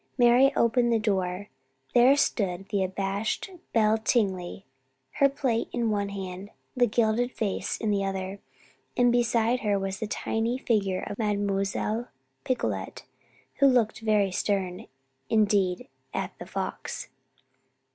Mary opened the door. There stood the abashed Belle Tingley, her plate in one hand, the gilded vase in the other, and beside her was the tiny figure of Mademoiselle Picolet, who looked very stern indeed at The Fox.